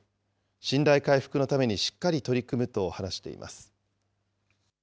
信頼回復のためにしっかり取り組むと話しています。